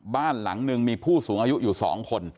บ้านหลังนึงมีผู้สูงอายุอยู่๒คน